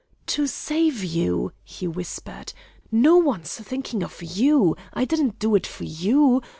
"To save you!" he whispered. "No one's thinking of you. I didn't do it for you.